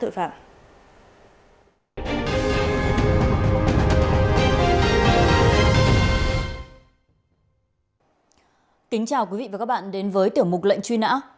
tiếp theo biên tập viên thu hương sẽ chuyển tới quý vị và các bạn những thông tin về truy nãn tội phạm